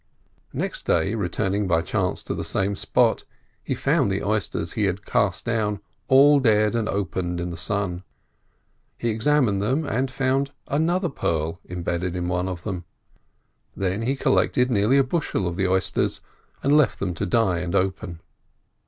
Next day, returning by chance to the same spot, he found the oysters he had cast down all dead and open in the sun. He examined them, and found another pearl embedded in one of them. Then he collected nearly a bushel of the oysters, and left them to die and open.